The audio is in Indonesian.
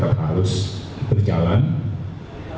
dan kita harus berjalan dengan kemampuan yang lebih baik